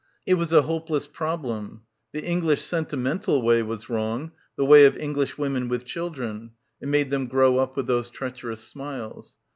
It was a hopeless problem. The English sentimental way was wrong, the way of English women with children — it made them grow up with those treacherous smiles.